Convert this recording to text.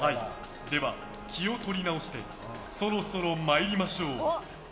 では、気を取り直してそろそろ参りましょう。